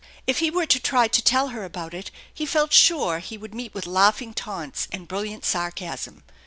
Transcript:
If he were to try to tell her about it, he felt sure he would meet with laughing taunts and brilliant sarcasm.